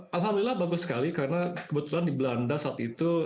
alhamdulillah bagus sekali karena kebetulan di belanda saat itu